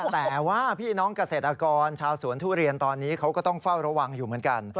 แต่ว่าพี่น้องเกษตรกรชาวสวนทุเรียนตอนนี้เขาก็ต้องเฝ้าระวังอยู่เหมือนกัน